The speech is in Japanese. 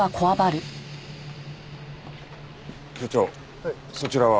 所長そちらは？